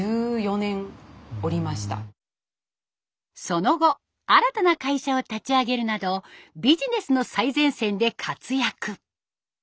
その後新たな会社を立ち上げるなどビジネスの最前線で活躍。